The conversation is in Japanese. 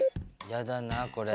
やだなこれ。